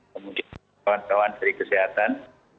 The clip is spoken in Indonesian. kemudian kawan kawan dari kesehatan